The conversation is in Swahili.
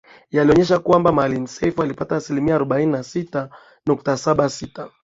yalionesha kwamba Maalim Seif alipata asilimia arobaini na sita nukta saba sita